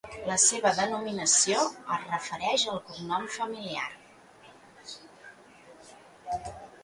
La seva denominació es refereix al cognom familiar.